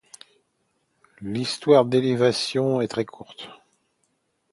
L'histoire d'Elevation est très courte.